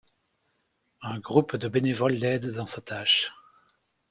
Un groupe de bénévoles l'aide dans sa tâche.